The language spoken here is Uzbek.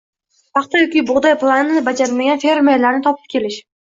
paxta yoki bug‘doy planini bajarmagan fermerlarni topib kelish